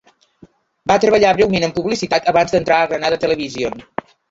Va treballar breument en publicitat abans d'entrar a Granada Television.